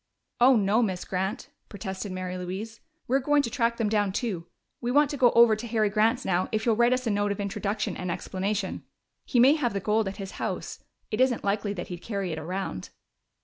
"Oh no, Miss Grant!" protested Mary Louise. "We're going to track them down too. We want to go over to Harry Grant's now, if you'll write us a note of introduction and explanation. He may have the gold at his house it isn't likely that he'd carry it around."